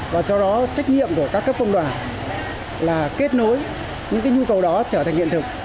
và cho đó trách nhiệm của các cấp công đoàn là kết nối những nhu cầu đó trở thành hiện thực